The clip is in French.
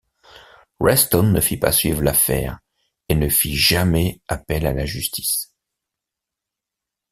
Reston ne fit pas suivre l'affaire et ne fit jamais appel a la justice.